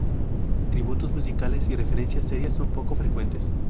Tributos musicales y referencias serias son poco frecuentes.